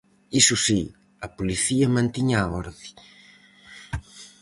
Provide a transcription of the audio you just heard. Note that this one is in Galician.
Iso si, a policía mantiña a orde.